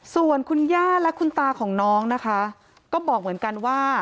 ส่วนคุณย่าและคุณตาของน้องนะคะก็บอกเหมือนกันว่า